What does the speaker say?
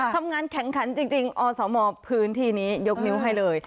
ทำงานแข่งขันจริงอสมพื้นที่นี้ยกนิ้วให้เลย